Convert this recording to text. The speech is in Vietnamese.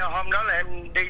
hôm đó là em đi